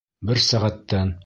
Бер сәғәттән.